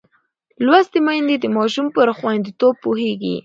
لوستې میندې د ماشوم پر خوندیتوب پوهېږي.